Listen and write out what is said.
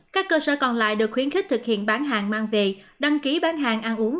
các cơ sở còn lại được khuyến khích thực hiện bán hàng mang về đăng ký bán hàng ăn uống